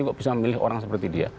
kok bisa memilih orang seperti dia